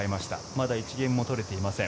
まだ１ゲームも取れていません。